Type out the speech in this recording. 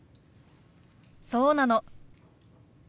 そうなの。